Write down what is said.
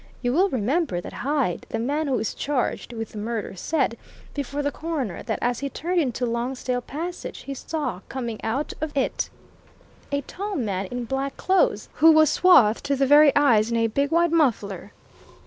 You will remember that Hyde, the man who is charged with the murder, said before the Coroner that as he turned into Lonsdale Passage, he saw coming out of it a tall man in black clothes who was swathed to the very eyes in a big white muffler?"